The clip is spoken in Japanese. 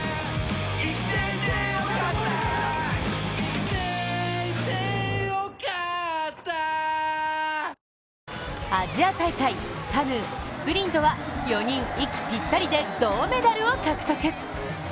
きっとアジア大会、カヌースプリントは４人、息ぴったりで銅メダルを獲得。